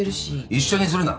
一緒にするな！